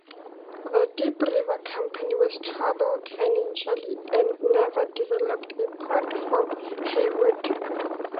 The Deep River Company was troubled financially and never developed a port for Haywood.